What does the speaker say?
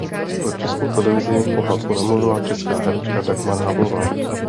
Pro Českou televizi pohádku namluvila česká herečka Dagmar Havlová.